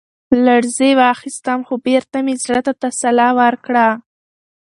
لـړزې واخيسـتم ، خـو بـېرته مـې زړه تـه تـسلا ورکړه.